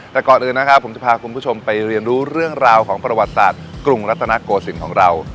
แต่ก่อนอื่นนะครับผมจะพาคุณผู้ชมไปเรียนรู้เรื่องราวของประวัติศาสตร์กรุงรัตนโกศิลป์ของเรา